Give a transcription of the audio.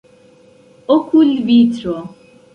okulvitro